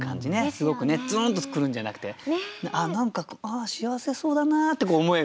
すごくズーンと来るんじゃなくてああ何か幸せそうだなって思える。